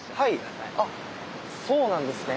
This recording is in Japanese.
あっそうなんですね。